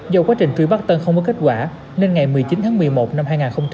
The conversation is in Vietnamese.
do quá trình truy bắt tân không có kết quả nên ngày một mươi chín tháng một mươi một năm hai nghìn hai mươi ba